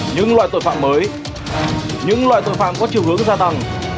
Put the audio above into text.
những loại tội phạm mới những loại tội phạm có chiều hướng gia tăng